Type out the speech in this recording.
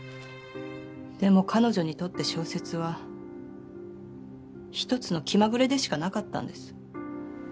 でも彼女にとって小説は１つの気まぐれでしかなかったんです。